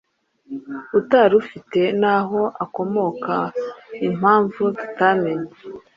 utari ufite n’aho akomoka? Impamvu tutamenye